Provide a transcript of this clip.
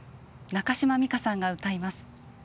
中島美嘉さんが歌います。